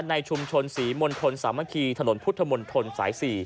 ในชุมชนศรีมณฑลสามัคคีถนนพุทธมนตรสาย๔